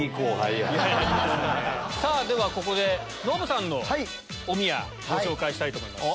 ここでノブさんのおみやご紹介したいと思います。